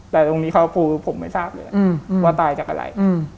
แต่ตรงนี้เขาคือผมไม่ทราบเลยว่าตายจากอะไร